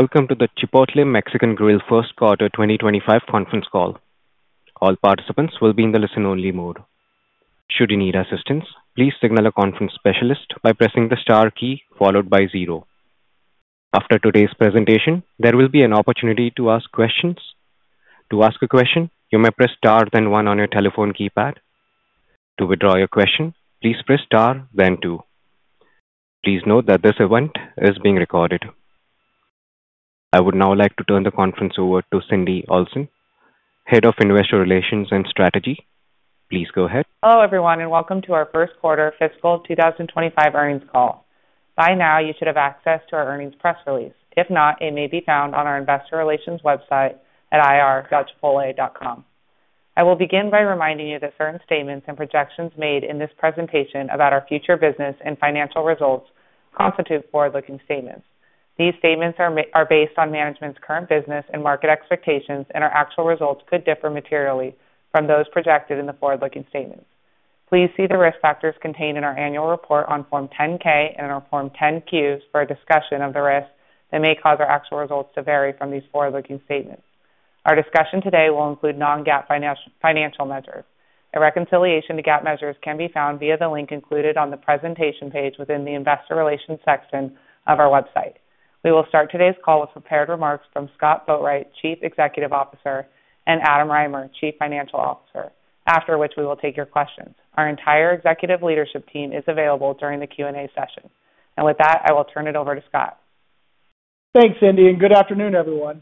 Welcome to the Chipotle Mexican Grill First Quarter 2025 Conference Call. All participants will be in the listen-only mode. Should you need assistance, please signal a conference specialist by pressing the star key followed by zero. After today's presentation, there will be an opportunity to ask questions. To ask a question, you may press star then one on your telephone keypad. To withdraw your question, please press star then two. Please note that this event is being recorded. I would now like to turn the conference over to Cindy Olsen, Head of Investor Relations and Strategy. Please go ahead. Hello, everyone, and welcome to our first quarter fiscal 2025 earnings call. By now, you should have access to our earnings press release. If not, it may be found on our investor relations website at ir-chipotle.com. I will begin by reminding you that certain statements and projections made in this presentation about our future business and financial results constitute forward-looking statements. These statements are based on management's current business and market expectations, and our actual results could differ materially from those projected in the forward-looking statements. Please see the risk factors contained in our annual report on Form 10-K and in our Form 10-Qs for a discussion of the risks that may cause our actual results to vary from these forward-looking statements. Our discussion today will include non-GAAP financial measures. A reconciliation to GAAP measures can be found via the link included on the presentation page within the investor relations section of our website. We will start today's call with prepared remarks from Scott Boatwright, Chief Executive Officer, and Adam Rymer, Chief Financial Officer, after which we will take your questions. Our entire executive leadership team is available during the Q&A session. I will turn it over to Scott. Thanks, Cindy, and good afternoon, everyone.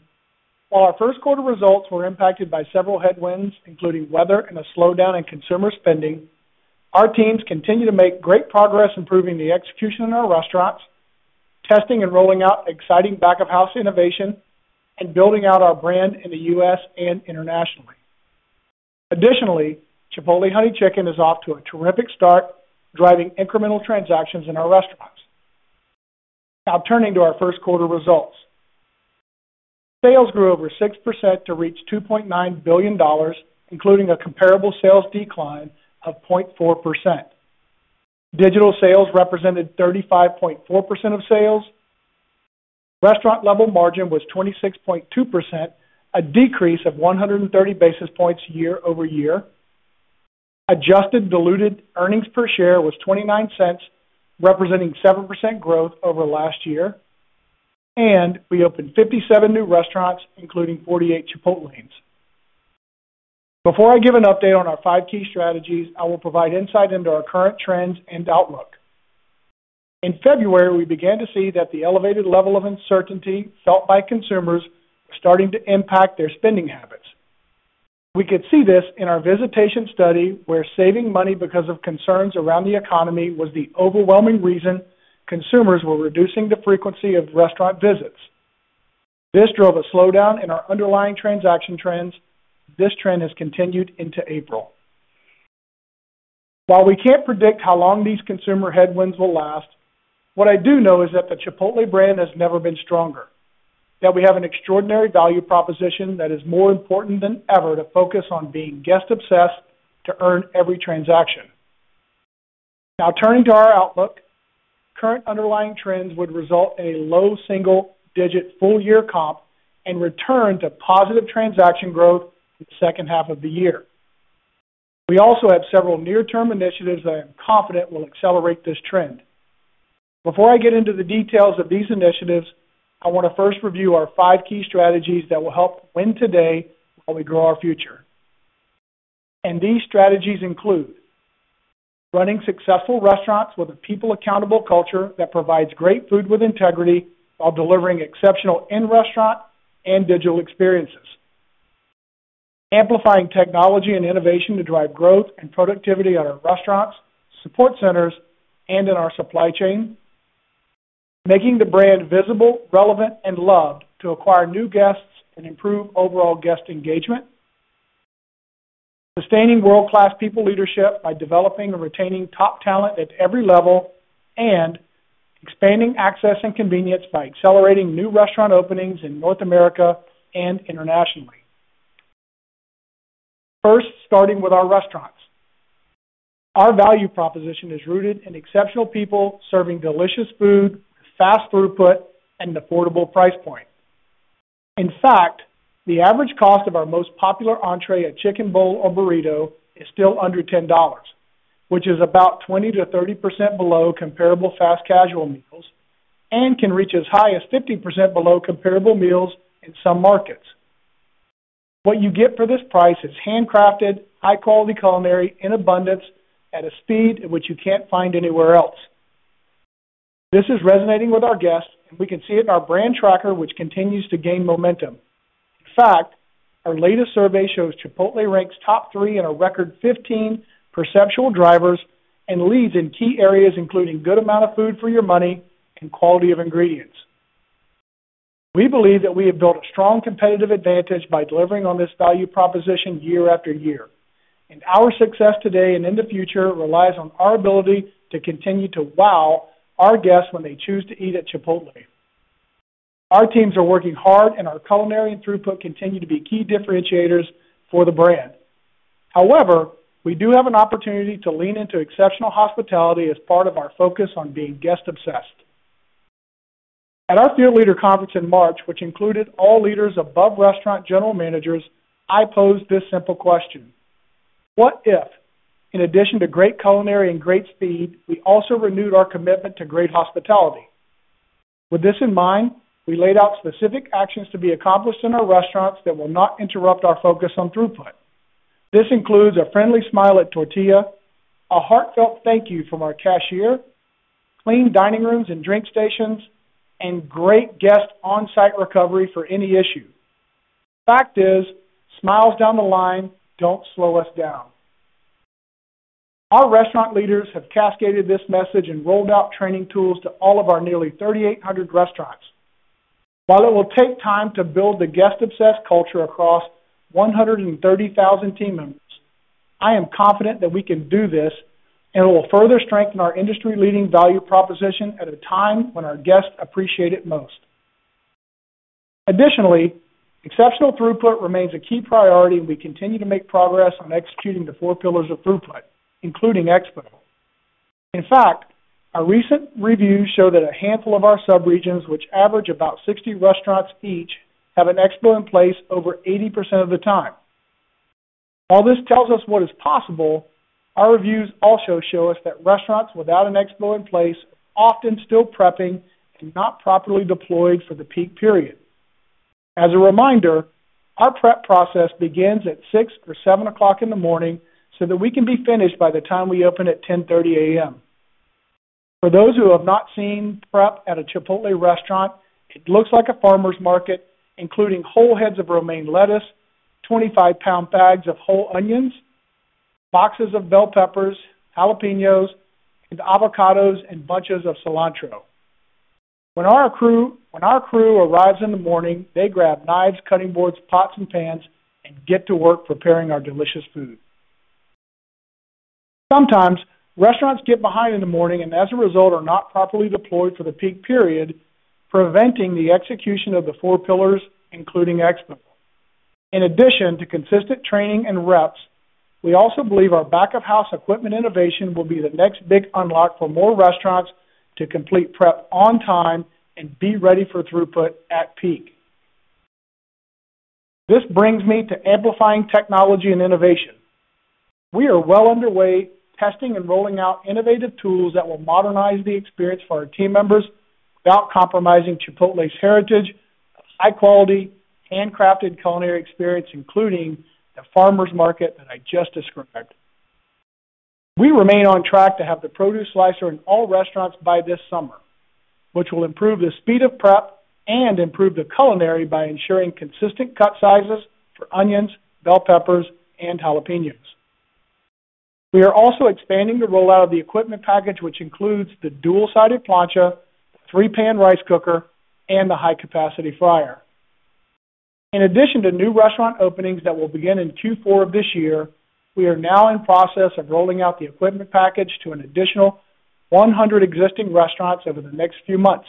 While our first quarter results were impacted by several headwinds, including weather and a slowdown in consumer spending, our teams continue to make great progress improving the execution in our restaurants, testing and rolling out exciting back-of-house innovation, and building out our brand in the U.S. and internationally. Additionally, Chipotle Honey Chicken is off to a terrific start, driving incremental transactions in our restaurants. Now, turning to our first quarter results, sales grew over 6% to reach $2.9 billion, including a comparable sales decline of 0.4%. Digital sales represented 35.4% of sales. Restaurant-level margin was 26.2%, a decrease of 130 basis points year over year. Adjusted diluted earnings per share was $0.29, representing 7% growth over last year. We opened 57 new restaurants, including 48 Chipotle's. Before I give an update on our five key strategies, I will provide insight into our current trends and outlook. In February, we began to see that the elevated level of uncertainty felt by consumers was starting to impact their spending habits. We could see this in our visitation study, where saving money because of concerns around the economy was the overwhelming reason consumers were reducing the frequency of restaurant visits. This drove a slowdown in our underlying transaction trends. This trend has continued into April. While we can't predict how long these consumer headwinds will last, what I do know is that the Chipotle brand has never been stronger, that we have an extraordinary value proposition that is more important than ever to focus on being guest-obsessed to earn every transaction. Now, turning to our outlook, current underlying trends would result in a low single-digit full-year comp and return to positive transaction growth in the second half of the year. We also have several near-term initiatives that I am confident will accelerate this trend. Before I get into the details of these initiatives, I want to first review our five key strategies that will help win today while we grow our future. These strategies include running successful restaurants with a people-accountable culture that provides great food with integrity while delivering exceptional in-restaurant and digital experiences, amplifying technology and innovation to drive growth and productivity at our restaurants, support centers, and in our supply chain, making the brand visible, relevant, and loved to acquire new guests and improve overall guest engagement, sustaining world-class people leadership by developing and retaining top talent at every level, and expanding access and convenience by accelerating new restaurant openings in North America and internationally. First, starting with our restaurants. Our value proposition is rooted in exceptional people serving delicious food with fast throughput and an affordable price point. In fact, the average cost of our most popular entrée, a chicken bowl or burrito, is still under $10, which is about 20%-30% below comparable fast casual meals and can reach as high as 50% below comparable meals in some markets. What you get for this price is handcrafted, high-quality culinary in abundance at a speed at which you can't find anywhere else. This is resonating with our guests, and we can see it in our brand tracker, which continues to gain momentum. In fact, our latest survey shows Chipotle ranks top three in a record 15 perceptual drivers and leads in key areas including good amount of food for your money and quality of ingredients. We believe that we have built a strong competitive advantage by delivering on this value proposition year after year. Our success today and in the future relies on our ability to continue to wow our guests when they choose to eat at Chipotle. Our teams are working hard, and our culinary and throughput continue to be key differentiators for the brand. However, we do have an opportunity to lean into exceptional hospitality as part of our focus on being guest-obsessed. At our field leader conference in March, which included all leaders above restaurant general managers, I posed this simple question: What if, in addition to great culinary and great speed, we also renewed our commitment to great hospitality? With this in mind, we laid out specific actions to be accomplished in our restaurants that will not interrupt our focus on throughput. This includes a friendly smile at tortilla, a heartfelt thank you from our cashier, clean dining rooms and drink stations, and great guest on-site recovery for any issue. Fact is, smiles down the line don't slow us down. Our restaurant leaders have cascaded this message and rolled out training tools to all of our nearly 3,800 restaurants. While it will take time to build the guest-obsessed culture across 130,000 team members, I am confident that we can do this, and it will further strengthen our industry-leading value proposition at a time when our guests appreciate it most. Additionally, exceptional throughput remains a key priority, and we continue to make progress on executing the four pillars of throughput, including expo. In fact, our recent reviews show that a handful of our subregions, which average about 60 restaurants each, have an expo in place over 80% of the time. While this tells us what is possible, our reviews also show us that restaurants without an expo in place are often still prepping and not properly deployed for the peak period. As a reminder, our prep process begins at 6:00 or 7:00 in the morning so that we can be finished by the time we open at 10:30 A.M. For those who have not seen prep at a Chipotle restaurant, it looks like a farmer's market, including whole heads of romaine lettuce, 25-pound bags of whole onions, boxes of bell peppers, jalapeños, avocados, and bunches of cilantro. When our crew arrives in the morning, they grab knives, cutting boards, pots, and pans and get to work preparing our delicious food. Sometimes, restaurants get behind in the morning and, as a result, are not properly deployed for the peak period, preventing the execution of the four pillars, including expo. In addition to consistent training and reps, we also believe our back-of-house equipment innovation will be the next big unlock for more restaurants to complete prep on time and be ready for throughput at peak. This brings me to amplifying technology and innovation. We are well underway testing and rolling out innovative tools that will modernize the experience for our team members without compromising Chipotle's heritage of high-quality, handcrafted culinary experience, including the farmer's market that I just described. We remain on track to have the produce slicer in all restaurants by this summer, which will improve the speed of prep and improve the culinary by ensuring consistent cut sizes for onions, bell peppers, and jalapeños. We are also expanding the rollout of the equipment package, which includes the dual-sided plancha, the three-pan rice cooker, and the high-capacity fryer. In addition to new restaurant openings that will begin in Q4 of this year, we are now in process of rolling out the equipment package to an additional 100 existing restaurants over the next few months.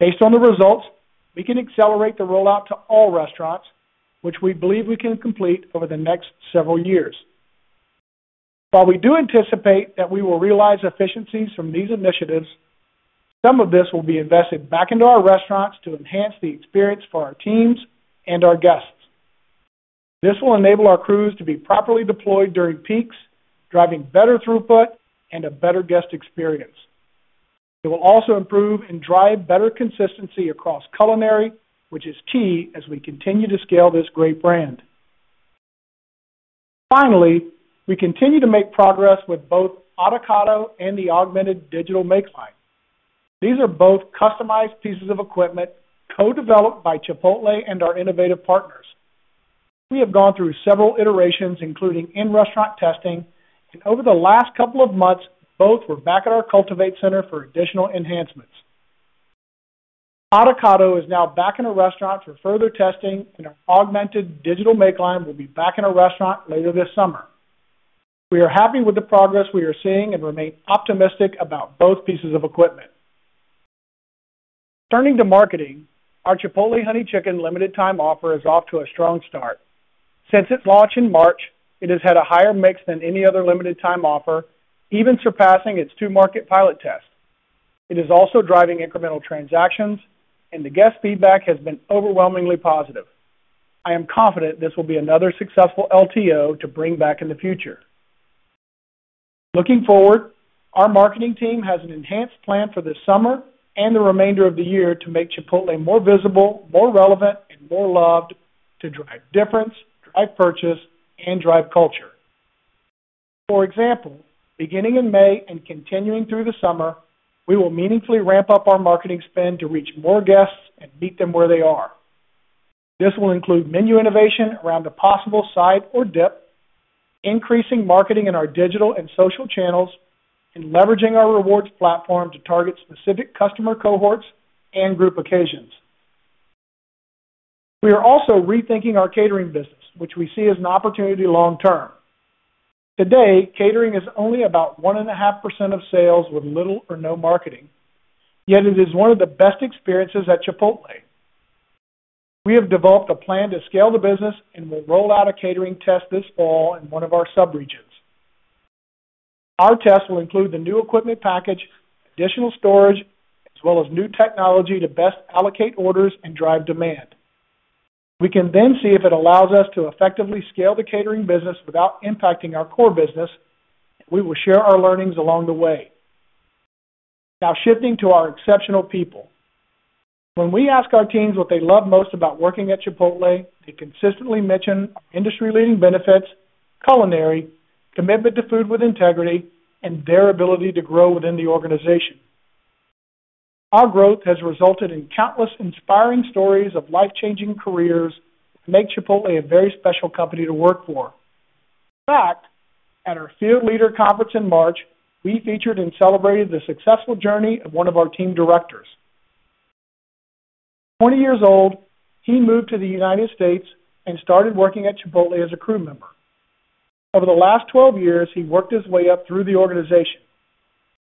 Based on the results, we can accelerate the rollout to all restaurants, which we believe we can complete over the next several years. While we do anticipate that we will realize efficiencies from these initiatives, some of this will be invested back into our restaurants to enhance the experience for our teams and our guests. This will enable our crews to be properly deployed during peaks, driving better throughput and a better guest experience. It will also improve and drive better consistency across culinary, which is key as we continue to scale this great brand. Finally, we continue to make progress with both Avocado and the augmented digital makeline. These are both customized pieces of equipment co-developed by Chipotle and our innovative partners. We have gone through several iterations, including in-restaurant testing, and over the last couple of months, both were back at our Cultivate Center for additional enhancements. Avocado is now back in a restaurant for further testing, and our automated digital make line will be back in a restaurant later this summer. We are happy with the progress we are seeing and remain optimistic about both pieces of equipment. Turning to marketing, our Chipotle Honey Chicken limited-time offer is off to a strong start. Since its launch in March, it has had a higher mix than any other limited-time offer, even surpassing its two-market pilot test. It is also driving incremental transactions, and the guest feedback has been overwhelmingly positive. I am confident this will be another successful LTO to bring back in the future. Looking forward, our marketing team has an enhanced plan for this summer and the remainder of the year to make Chipotle more visible, more relevant, and more loved to drive difference, drive purchase, and drive culture. For example, beginning in May and continuing through the summer, we will meaningfully ramp up our marketing spend to reach more guests and meet them where they are. This will include menu innovation around a possible side or dip, increasing marketing in our digital and social channels, and leveraging our rewards platform to target specific customer cohorts and group occasions. We are also rethinking our catering business, which we see as an opportunity long term. Today, catering is only about 1.5% of sales with little or no marketing, yet it is one of the best experiences at Chipotle. We have developed a plan to scale the business and will roll out a catering test this fall in one of our subregions. Our test will include the new equipment package, additional storage, as well as new technology to best allocate orders and drive demand. We can then see if it allows us to effectively scale the catering business without impacting our core business, and we will share our learnings along the way. Now, shifting to our exceptional people. When we ask our teams what they love most about working at Chipotle, they consistently mention industry-leading benefits, culinary, commitment to food with integrity, and their ability to grow within the organization. Our growth has resulted in countless inspiring stories of life-changing careers that make Chipotle a very special company to work for. In fact, at our field leader conference in March, we featured and celebrated the successful journey of one of our team directors. Twenty years old, he moved to the United States and started working at Chipotle as a crew member. Over the last 12 years, he worked his way up through the organization.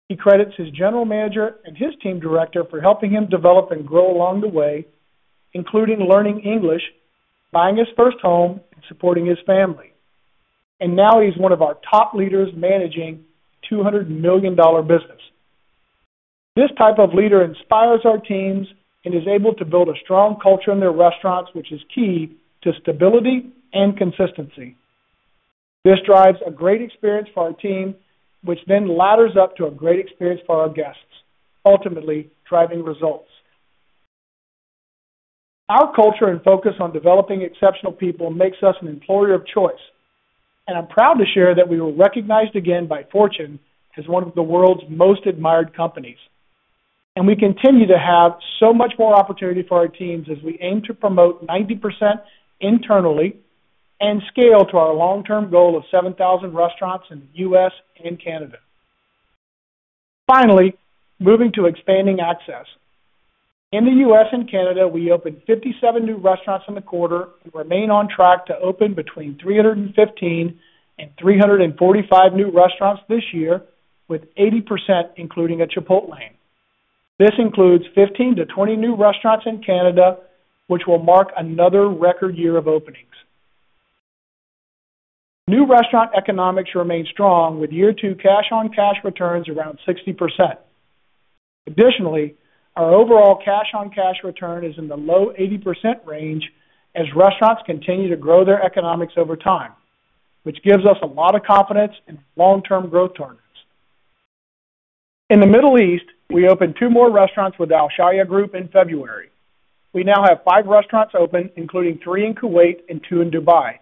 He credits his general manager and his team director for helping him develop and grow along the way, including learning English, buying his first home, and supporting his family. Now he's one of our top leaders managing a $200 million business. This type of leader inspires our teams and is able to build a strong culture in their restaurants, which is key to stability and consistency. This drives a great experience for our team, which then ladders up to a great experience for our guests, ultimately driving results. Our culture and focus on developing exceptional people makes us an employer of choice. I'm proud to share that we were recognized again by Fortune as one of the world's most admired companies. We continue to have so much more opportunity for our teams as we aim to promote 90% internally and scale to our long-term goal of 7,000 restaurants in the U.S. and Canada. Finally, moving to expanding access. In the U.S. and Canada, we opened 57 new restaurants in the quarter and remain on track to open between 315 and 345 new restaurants this year, with 80% including a Chipotlane. This includes 15-20 new restaurants in Canada, which will mark another record year of openings. New restaurant economics remain strong with year-two cash-on-cash returns around 60%. Additionally, our overall cash-on-cash return is in the low 80% range as restaurants continue to grow their economics over time, which gives us a lot of confidence in long-term growth targets. In the Middle East, we opened two more restaurants with the Alshaya Group in February. We now have five restaurants open, including three in Kuwait and two in Dubai.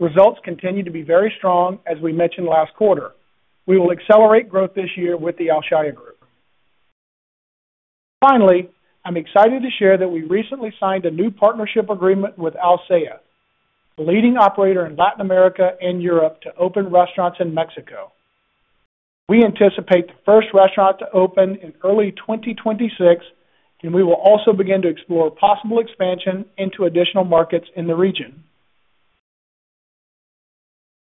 Results continue to be very strong, as we mentioned last quarter. We will accelerate growth this year with the Alshaya Group. Finally, I'm excited to share that we recently signed a new partnership agreement with Alsea, a leading operator in Latin America and Europe, to open restaurants in Mexico. We anticipate the first restaurant to open in early 2026, and we will also begin to explore possible expansion into additional markets in the region.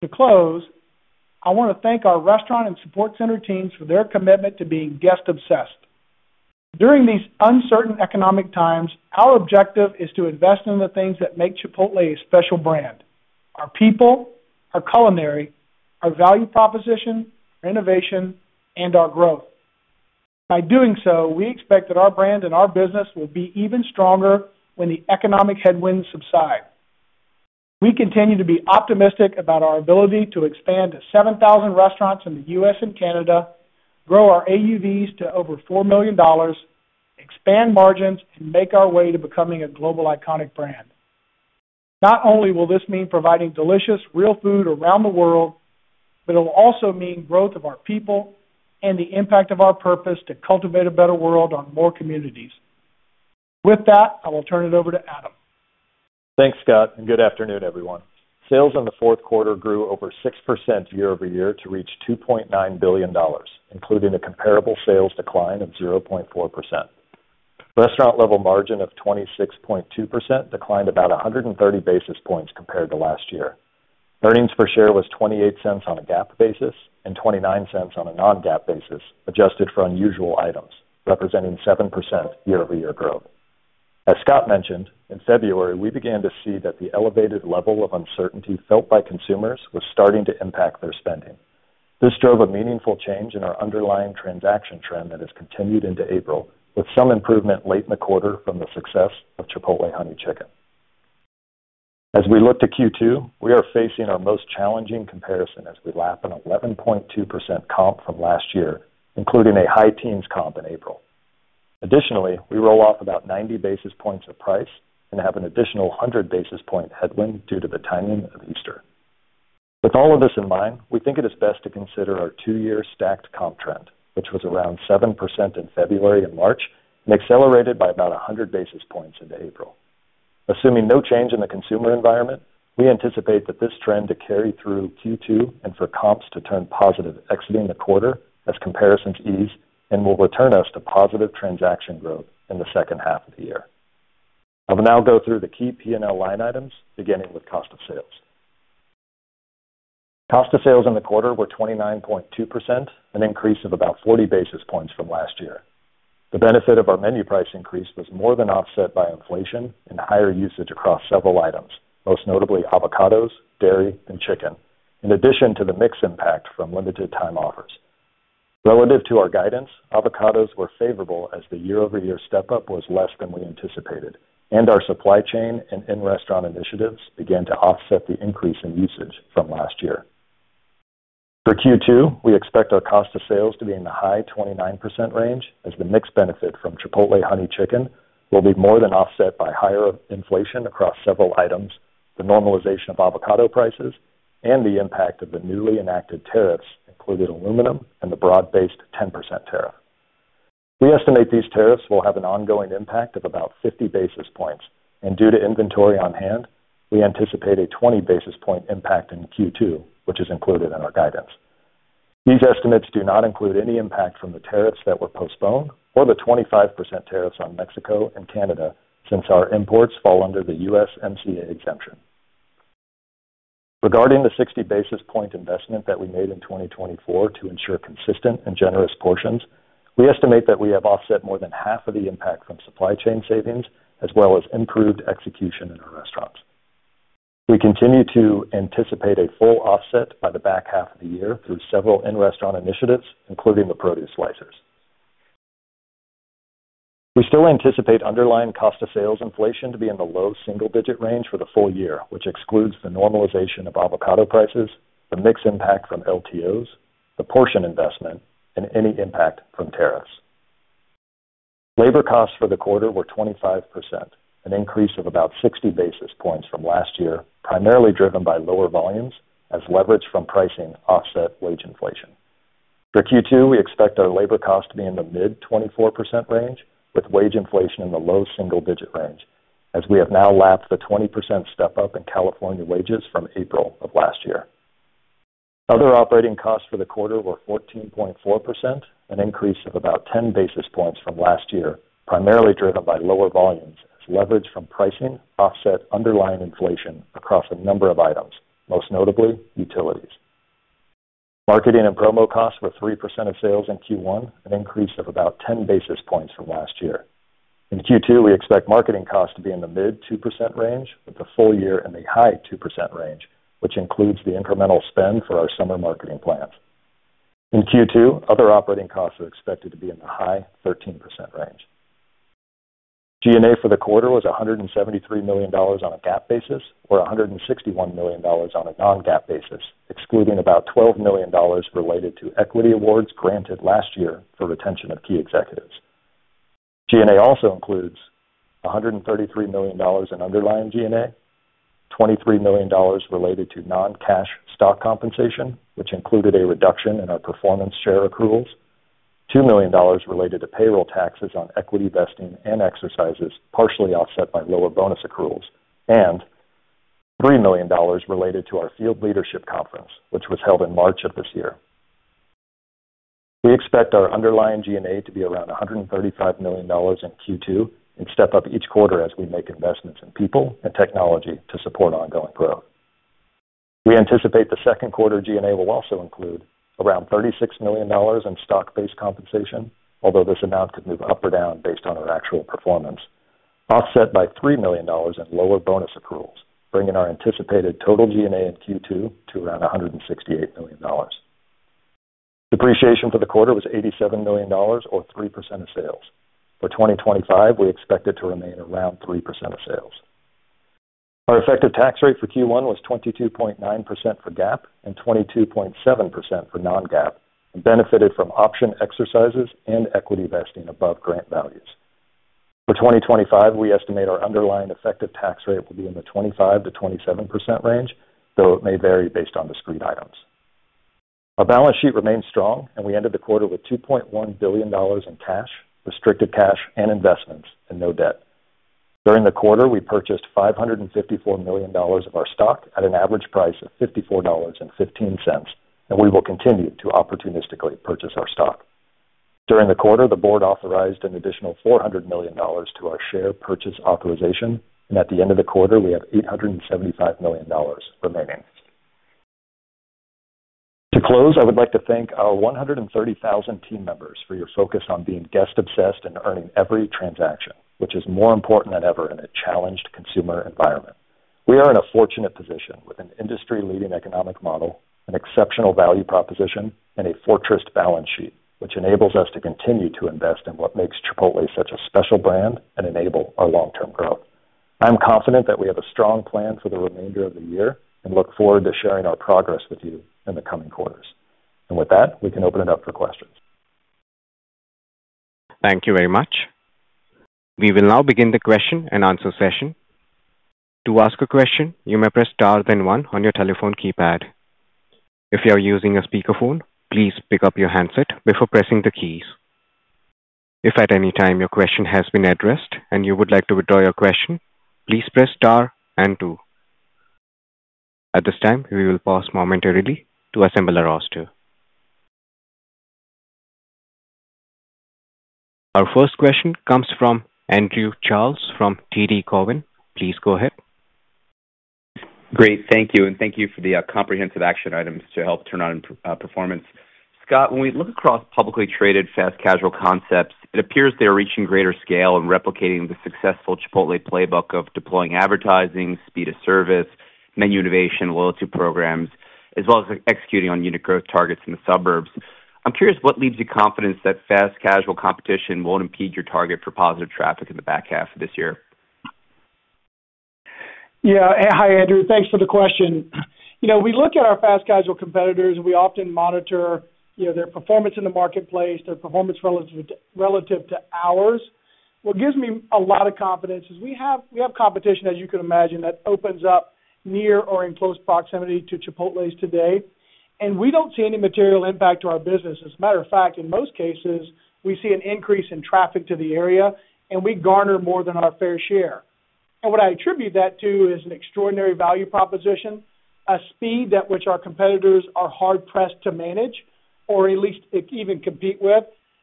To close, I want to thank our restaurant and support center teams for their commitment to being guest-obsessed. During these uncertain economic times, our objective is to invest in the things that make Chipotle a special brand: our people, our culinary, our value proposition, our innovation, and our growth. By doing so, we expect that our brand and our business will be even stronger when the economic headwinds subside. We continue to be optimistic about our ability to expand to 7,000 restaurants in the U.S. and Canada, grow our AUVs to over $4 million, expand margins, and make our way to becoming a global iconic brand. Not only will this mean providing delicious, real food around the world, but it will also mean growth of our people and the impact of our purpose to cultivate a better world on more communities. With that, I will turn it over to Adam. Thanks, Scott, and good afternoon, everyone. Sales in the fourth quarter grew over 6% year over year to reach $2.9 billion, including a comparable sales decline of 0.4%. Restaurant-level margin of 26.2% declined about 130 basis points compared to last year. Earnings per share was $0.28 on a GAAP basis and $0.29 on a non-GAAP basis, adjusted for unusual items, representing 7% year-over-year growth. As Scott mentioned, in February, we began to see that the elevated level of uncertainty felt by consumers was starting to impact their spending. This drove a meaningful change in our underlying transaction trend that has continued into April, with some improvement late in the quarter from the success of Chipotle Honey Chicken. As we look to Q2, we are facing our most challenging comparison as we lap an 11.2% comp from last year, including a high teens comp in April. Additionally, we roll off about 90 basis points of price and have an additional 100 basis point headwind due to the timing of Easter. With all of this in mind, we think it is best to consider our two-year stacked comp trend, which was around 7% in February and March and accelerated by about 100 basis points into April. Assuming no change in the consumer environment, we anticipate that this trend to carry through Q2 and for comps to turn positive exiting the quarter as comparisons ease and will return us to positive transaction growth in the second half of the year. I will now go through the key P&L line items, beginning with cost of sales. Cost of sales in the quarter were 29.2%, an increase of about 40 basis points from last year. The benefit of our menu price increase was more than offset by inflation and higher usage across several items, most notably avocados, dairy, and chicken, in addition to the mix impact from limited-time offers. Relative to our guidance, avocados were favorable as the year-over-year step-up was less than we anticipated, and our supply chain and in-restaurant initiatives began to offset the increase in usage from last year. For Q2, we expect our cost of sales to be in the high 29% range as the mix benefit from Chipotle Honey Chicken will be more than offset by higher inflation across several items, the normalization of avocado prices, and the impact of the newly enacted tariffs, including aluminum and the broad-based 10% tariff. We estimate these tariffs will have an ongoing impact of about 50 basis points, and due to inventory on hand, we anticipate a 20 basis point impact in Q2, which is included in our guidance. These estimates do not include any impact from the tariffs that were postponed or the 25% tariffs on Mexico and Canada since our imports fall under the U.S. MCA exemption. Regarding the 60 basis point investment that we made in 2024 to ensure consistent and generous portions, we estimate that we have offset more than half of the impact from supply chain savings as well as improved execution in our restaurants. We continue to anticipate a full offset by the back half of the year through several in-restaurant initiatives, including the produce slicers. We still anticipate underlying cost of sales inflation to be in the low single-digit range for the full year, which excludes the normalization of avocado prices, the mix impact from LTOs, the portion investment, and any impact from tariffs. Labor costs for the quarter were 25%, an increase of about 60 basis points from last year, primarily driven by lower volumes as leverage from pricing offset wage inflation. For Q2, we expect our labor costs to be in the mid-24% range, with wage inflation in the low single-digit range, as we have now lapped the 20% step-up in California wages from April of last year. Other operating costs for the quarter were 14.4%, an increase of about 10 basis points from last year, primarily driven by lower volumes as leverage from pricing offset underlying inflation across a number of items, most notably utilities. Marketing and promo costs were 3% of sales in Q1, an increase of about 10 basis points from last year. In Q2, we expect marketing costs to be in the mid-2% range with the full year in the high 2% range, which includes the incremental spend for our summer marketing plans. In Q2, other operating costs are expected to be in the high 13% range. G&A for the quarter was $173 million on a GAAP basis or $161 million on a non-GAAP basis, excluding about $12 million related to equity awards granted last year for retention of key executives. G&A also includes $133 million in underlying G&A, $23 million related to non-cash stock compensation, which included a reduction in our performance share accruals, $2 million related to payroll taxes on equity vesting and exercises, partially offset by lower bonus accruals, and $3 million related to our field leadership conference, which was held in March of this year. We expect our underlying G&A to be around $135 million in Q2 and step up each quarter as we make investments in people and technology to support ongoing growth. We anticipate the second quarter G&A will also include around $36 million in stock-based compensation, although this amount could move up or down based on our actual performance, offset by $3 million in lower bonus accruals, bringing our anticipated total G&A in Q2 to around $168 million. Depreciation for the quarter was $87 million or 3% of sales. For 2025, we expect it to remain around 3% of sales. Our effective tax rate for Q1 was 22.9% for GAAP and 22.7% for non-GAAP and benefited from option exercises and equity vesting above grant values. For 2025, we estimate our underlying effective tax rate will be in the 25-27% range, though it may vary based on discrete items. Our balance sheet remains strong, and we ended the quarter with $2.1 billion in cash, restricted cash, and investments, and no debt. During the quarter, we purchased $554 million of our stock at an average price of $54.15, and we will continue to opportunistically purchase our stock. During the quarter, the board authorized an additional $400 million to our share purchase authorization, and at the end of the quarter, we have $875 million remaining. To close, I would like to thank our 130,000 team members for your focus on being guest-obsessed and earning every transaction, which is more important than ever in a challenged consumer environment. We are in a fortunate position with an industry-leading economic model, an exceptional value proposition, and a fortress balance sheet, which enables us to continue to invest in what makes Chipotle such a special brand and enable our long-term growth. I'm confident that we have a strong plan for the remainder of the year and look forward to sharing our progress with you in the coming quarters. With that, we can open it up for questions. Thank you very much. We will now begin the question and answer session. To ask a question, you may press star then one on your telephone keypad. If you are using a speakerphone, please pick up your handset before pressing the keys. If at any time your question has been addressed and you would like to withdraw your question, please press star and two. At this time, we will pause momentarily to assemble our roster. Our first question comes from Andrew Charles from TD Cowen. Please go ahead. Great. Thank you. Thank you for the comprehensive action items to help turn on performance. Scott, when we look across publicly traded fast casual concepts, it appears they are reaching greater scale and replicating the successful Chipotle playbook of deploying advertising, speed of service, menu innovation, loyalty programs, as well as executing on unit growth targets in the suburbs. I'm curious, what leaves you confident that fast casual competition won't impede your target for positive traffic in the back half of this year? Yeah. Hi, Andrew. Thanks for the question. We look at our fast casual competitors, and we often monitor their performance in the marketplace, their performance relative to ours. What gives me a lot of confidence is we have competition, as you can imagine, that opens up near or in close proximity to Chipotle's today, and we do not see any material impact to our business. As a matter of fact, in most cases, we see an increase in traffic to the area, and we garner more than our fair share. What I attribute that to is an extraordinary value proposition, a speed at which our competitors are hard-pressed to manage or at least even compete with.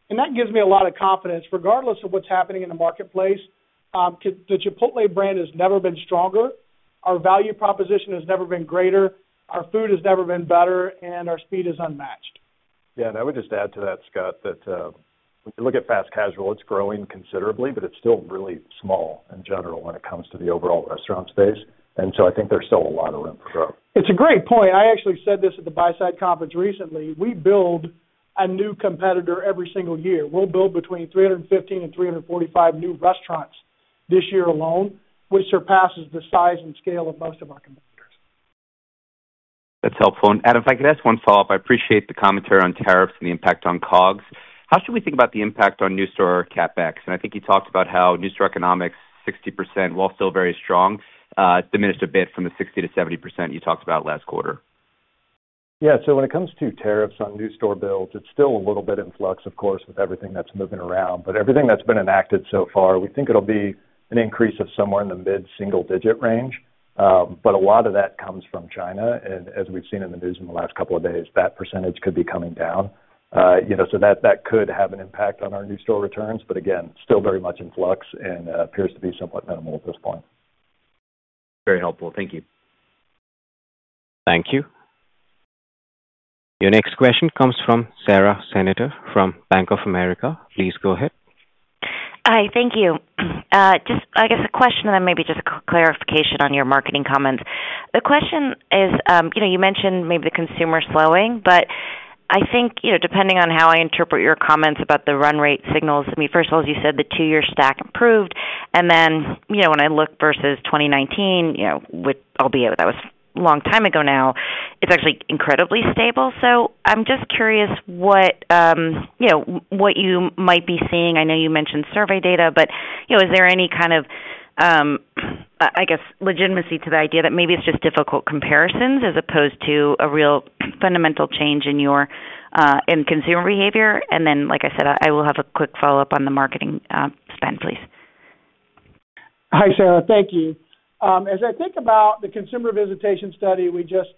That gives me a lot of confidence regardless of what is happening in the marketplace. The Chipotle brand has never been stronger. Our value proposition has never been greater. Our food has never been better, and our speed is unmatched. Yeah. I would just add to that, Scott, that when you look at fast casual, it's growing considerably, but it's still really small in general when it comes to the overall restaurant space. I think there's still a lot of room for growth. It's a great point. I actually said this at the BuySide Conference recently. We build a new competitor every single year. We'll build between 315 and 345 new restaurants this year alone, which surpasses the size and scale of most of our competitors. That's helpful. Adam, if I could ask one follow-up, I appreciate the commentary on tariffs and the impact on COGS. How should we think about the impact on new store CapEx? I think you talked about how new store economics, 60%, while still very strong, diminished a bit from the 60-70% you talked about last quarter. Yeah. When it comes to tariffs on new store builds, it's still a little bit in flux, of course, with everything that's moving around. Everything that's been enacted so far, we think it'll be an increase of somewhere in the mid-single-digit range. A lot of that comes from China. As we've seen in the news in the last couple of days, that percentage could be coming down. That could have an impact on our new store returns, but again, still very much in flux and appears to be somewhat minimal at this point. Very helpful. Thank you. Thank you. Your next question comes from Sara Senatore from Bank of America. Please go ahead. Hi. Thank you. Just, I guess, a question and then maybe just a clarification on your marketing comments. The question is, you mentioned maybe the consumer slowing, but I think depending on how I interpret your comments about the run rate signals, I mean, first of all, as you said, the two-year stack improved. When I look versus 2019, albeit that was a long time ago now, it is actually incredibly stable. I am just curious what you might be seeing. I know you mentioned survey data, but is there any kind of, I guess, legitimacy to the idea that maybe it is just difficult comparisons as opposed to a real fundamental change in consumer behavior? Like I said, I will have a quick follow-up on the marketing spend, please. Hi, Sara. Thank you. As I think about the consumer visitation study we just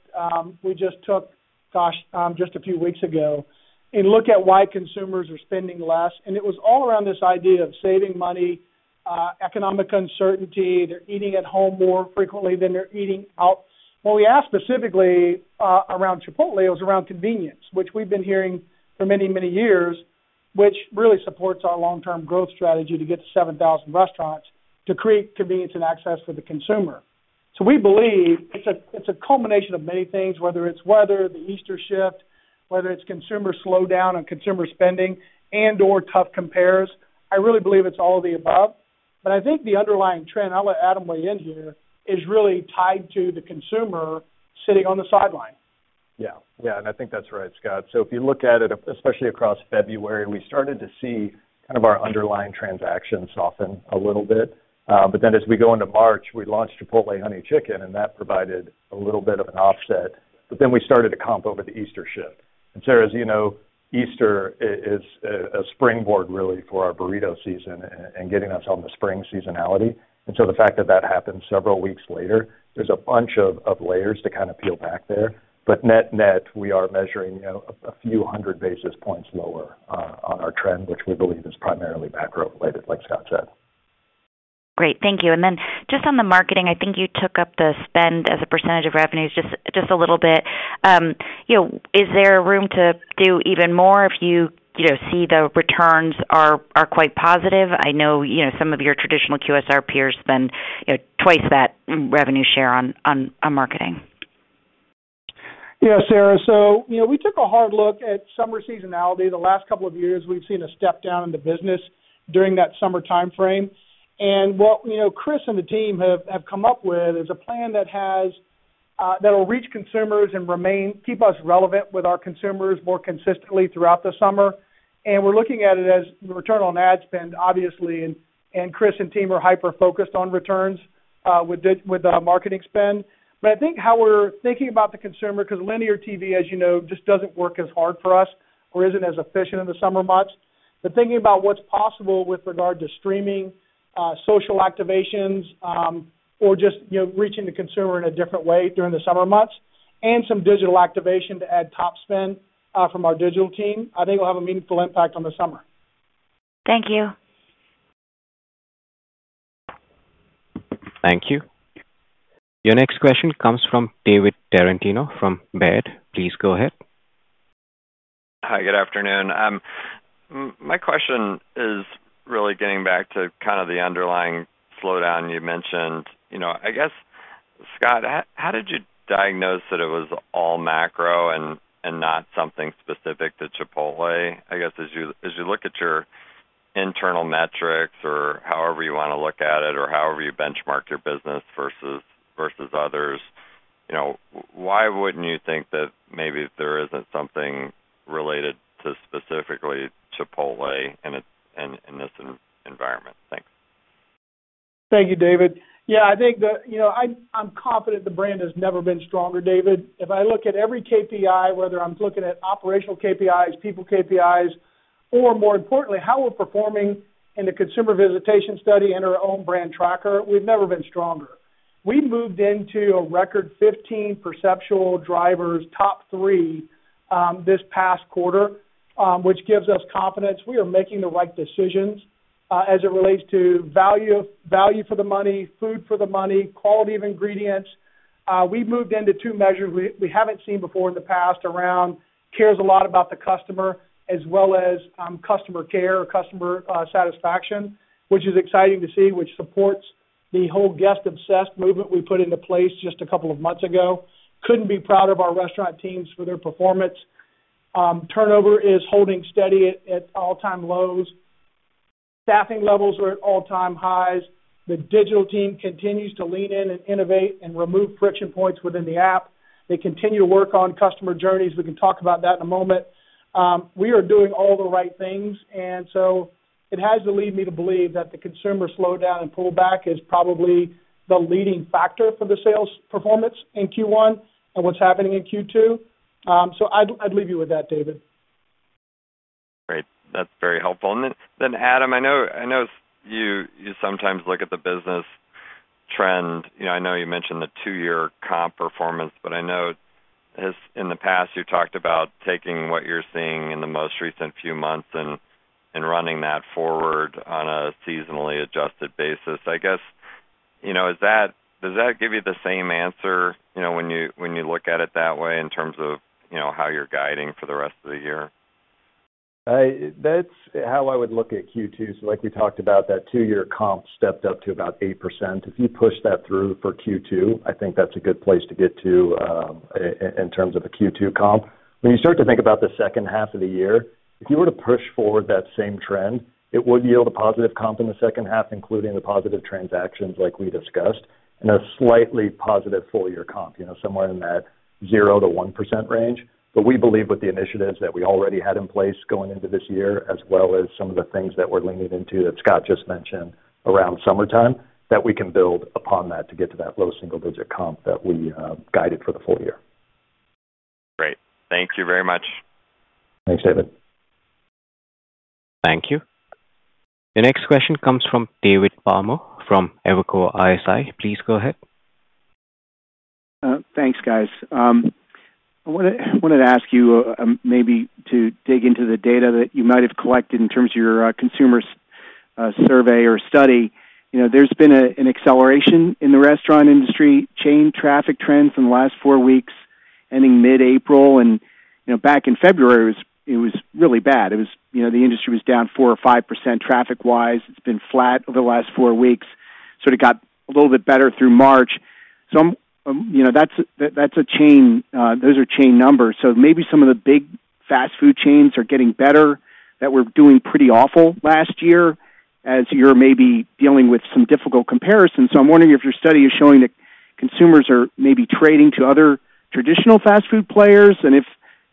took, gosh, just a few weeks ago, and look at why consumers are spending less. It was all around this idea of saving money, economic uncertainty, they're eating at home more frequently than they're eating out. When we asked specifically around Chipotle, it was around convenience, which we've been hearing for many, many years, which really supports our long-term growth strategy to get to 7,000 restaurants to create convenience and access for the consumer. We believe it's a culmination of many things, whether it's weather, the Easter shift, whether it's consumer slowdown and consumer spending, and/or tough compares. I really believe it's all of the above. I think the underlying trend, I'll let Adam weigh in here, is really tied to the consumer sitting on the sideline Yeah. Yeah. I think that's right, Scott. If you look at it, especially across February, we started to see kind of our underlying transactions soften a little bit. As we go into March, we launched Chipotle Honey Chicken, and that provided a little bit of an offset. We started to comp over the Easter shift. Sarah, as you know, Easter is a springboard really for our burrito season and getting us on the spring seasonality. The fact that that happened several weeks later, there is a bunch of layers to kind of peel back there. Net net, we are measuring a few hundred basis points lower on our trend, which we believe is primarily macro-related, like Scott said. Great. Thank you. Just on the marketing, I think you took up the spend as a percentage of revenues just a little bit. Is there room to do even more if you see the returns are quite positive? I know some of your traditional QSR peers spend twice that revenue share on marketing. Yeah, Sarah. We took a hard look at summer seasonality. The last couple of years, we've seen a step down in the business during that summer timeframe. What Chris and the team have come up with is a plan that will reach consumers and keep us relevant with our consumers more consistently throughout the summer. We are looking at it as return on ad spend, obviously. Chris and team are hyper-focused on returns with the marketing spend. I think how we're thinking about the consumer, because linear TV, as you know, just doesn't work as hard for us or isn't as efficient in the summer months. Thinking about what's possible with regard to streaming, social activations, or just reaching the consumer in a different way during the summer months, and some digital activation to add top spend from our digital team, I think it'll have a meaningful impact on the summer. Thank you. Thank you. Your next question comes from David Tarantino from Baird. Please go ahead. Hi. Good afternoon. My question is really getting back to kind of the underlying slowdown you mentioned. I guess, Scott, how did you diagnose that it was all macro and not something specific to Chipotle? I guess as you look at your internal metrics or however you want to look at it or however you benchmark your business versus others, why wouldn't you think that maybe there isn't something related specifically to Chipotle in this environment? Thanks. Thank you, David. Yeah. I think I'm confident the brand has never been stronger, David. If I look at every KPI, whether I'm looking at operational KPIs, people KPIs, or more importantly, how we're performing in the consumer visitation study and our own brand tracker, we've never been stronger. We moved into a record 15 perceptual drivers top three this past quarter, which gives us confidence we are making the right decisions as it relates to value for the money, food for the money, quality of ingredients. We moved into two measures we haven't seen before in the past around cares a lot about the customer as well as customer care or customer satisfaction, which is exciting to see, which supports the whole guest-obsessed movement we put into place just a couple of months ago. Couldn't be proud of our restaurant teams for their performance. Turnover is holding steady at all-time lows. Staffing levels are at all-time highs. The digital team continues to lean in and innovate and remove friction points within the app. They continue to work on customer journeys. We can talk about that in a moment. We are doing all the right things. It has to lead me to believe that the consumer slowdown and pullback is probably the leading factor for the sales performance in Q1 and what's happening in Q2. I would leave you with that, David. Great. That's very helpful. Adam, I know you sometimes look at the business trend. I know you mentioned the two-year comp performance, but I know in the past you talked about taking what you're seeing in the most recent few months and running that forward on a seasonally adjusted basis. I guess, does that give you the same answer when you look at it that way in terms of how you're guiding for the rest of the year? That's how I would look at Q2. Like we talked about, that two-year comp stepped up to about 8%. If you push that through for Q2, I think that's a good place to get to in terms of a Q2 comp. When you start to think about the second half of the year, if you were to push forward that same trend, it would yield a positive comp in the second half, including the positive transactions like we discussed, and a slightly positive full-year comp, somewhere in that 0-1% range. We believe with the initiatives that we already had in place going into this year, as well as some of the things that we're leaning into that Scott just mentioned around summertime, that we can build upon that to get to that low single-digit comp that we guided for the full year. Great. Thank you very much. Thanks, David. Thank you. Your next question comes from David Palmer from Evercore ISI. Please go ahead. Thanks, guys. I wanted to ask you maybe to dig into the data that you might have collected in terms of your consumer survey or study. There's been an acceleration in the restaurant industry chain traffic trends in the last four weeks ending mid-April. Back in February, it was really bad. The industry was down 4% or 5% traffic-wise. It's been flat over the last four weeks, sort of got a little bit better through March. That is a chain, those are chain numbers. Maybe some of the big fast food chains are getting better that were doing pretty awful last year as you're maybe dealing with some difficult comparisons. I'm wondering if your study is showing that consumers are maybe trading to other traditional fast food players. If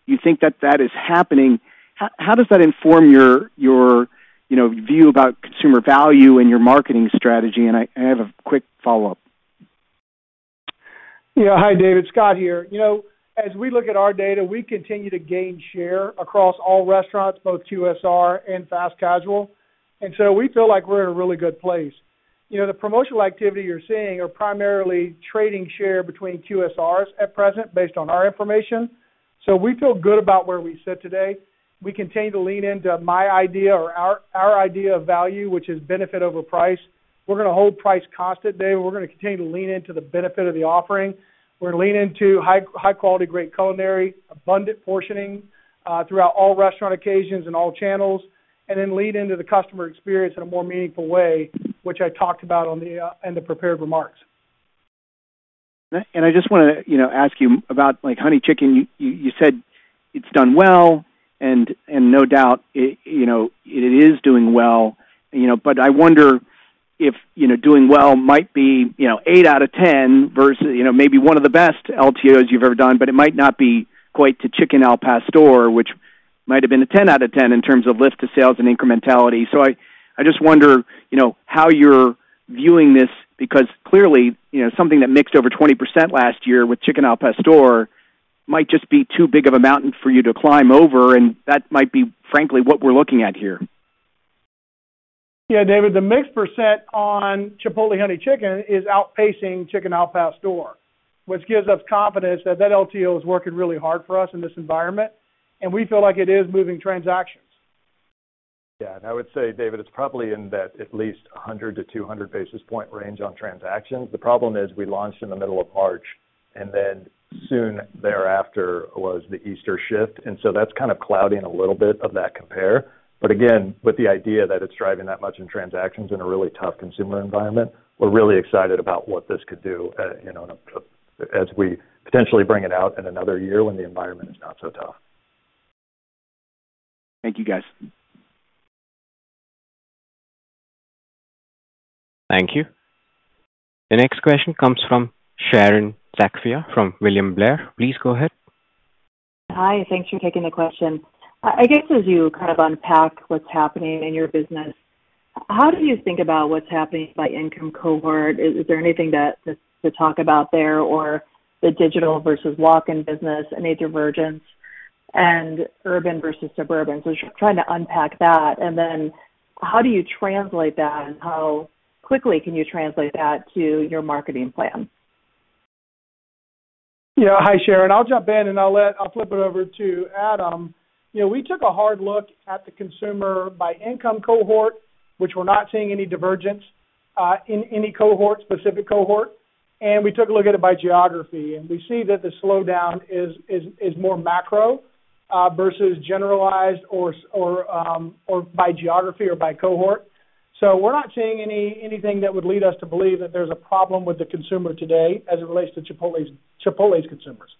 you think that that is happening, how does that inform your view about consumer value and your marketing strategy? I have a quick follow-up. Yeah. Hi, David. Scott here. As we look at our data, we continue to gain share across all restaurants, both QSR and fast casual. We feel like we're in a really good place. The promotional activity you're seeing is primarily trading share between QSRs at present based on our information. We feel good about where we sit today. We continue to lean into my idea or our idea of value, which is benefit over price. We're going to hold price constant, David. We're going to continue to lean into the benefit of the offering. We're going to lean into high-quality, great culinary, abundant portioning throughout all restaurant occasions and all channels, and then lean into the customer experience in a more meaningful way, which I talked about in the prepared remarks. I just want to ask you about Honey Chicken. You said it's done well, and no doubt it is doing well. I wonder if doing well might be 8 out of 10 versus maybe one of the best LTOs you've ever done, but it might not be quite to Chicken Al Pastor, which might have been a 10 out of 10 in terms of lift to sales and incrementality. I just wonder how you're viewing this because clearly something that mixed over 20% last year with Chicken Al Pastor might just be too big of a mountain for you to climb over. That might be, frankly, what we're looking at here. Yeah, David, the mixed % on Chipotle Honey Chicken is outpacing Chicken Al Pastor, which gives us confidence that that LTO is working really hard for us in this environment. We feel like it is moving transactions. Yeah, I would say, David, it's probably in that at least 100-200 basis point range on transactions. The problem is we launched in the middle of March, and then soon thereafter was the Easter shift. That's kind of clouding a little bit of that compare. Again, with the idea that it's driving that much in transactions in a really tough consumer environment, we're really excited about what this could do as we potentially bring it out in another year when the environment is not so tough. Thank you, guys. Thank you. The next question comes from Sharon Zackfia from William Blair. Please go ahead. Hi. Thanks for taking the question. I guess as you kind of unpack what's happening in your business, how do you think about what's happening by income cohort? Is there anything to talk about there or the digital versus walk-in business and a divergence in urban versus suburban? Trying to unpack that. How do you translate that? How quickly can you translate that to your marketing plan? Yeah. Hi, Sharon. I'll jump in, and I'll flip it over to Adam. We took a hard look at the consumer by income cohort, which we're not seeing any divergence in any specific cohort. We took a look at it by geography. We see that the slowdown is more macro versus generalized or by geography or by cohort. We're not seeing anything that would lead us to believe that there's a problem with the consumer today as it relates to Chipotle's consumers.